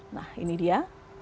nah ini dia